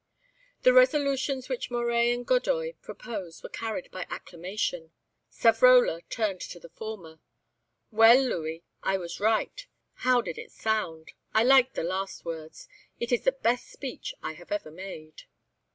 The resolutions which Moret and Godoy proposed were carried by acclamation. Savrola turned to the former. "Well, Louis, I was right. How did it sound? I liked the last words. It is the best speech I have ever made."